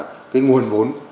thứ nhất là nguồn vốn